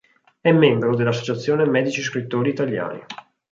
È membro dell’"Associazione Medici Scrittori Italiani".